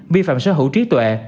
vi phạm sở hữu trí tuệ